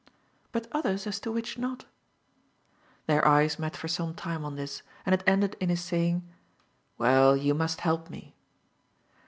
"But others as to which not." Their eyes met for some time on this, and it ended in his saying: "Well, you must help me."